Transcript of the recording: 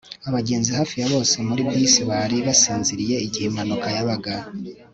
Abagenzi hafi ya bose muri bisi bari basinziriye igihe impanuka yabaga